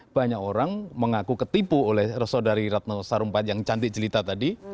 banyak orang mengaku ketipu oleh saudari ratna sarumpait yang cantik jelita tadi